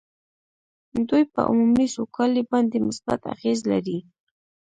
دوی په عمومي سوکالۍ باندې مثبت اغېز لري